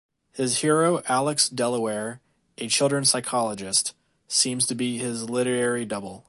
His hero Alex Delaware, a children psychologist, seems to be his literary double.